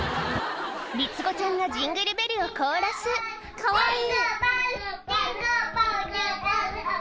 三つ子ちゃんが『ジングルベル』をコーラスかわいい。